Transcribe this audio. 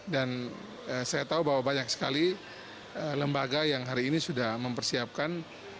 dan saya tahu bahwa banyak sekali lembaga yang hari ini sudah mempersiapkan